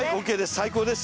最高です。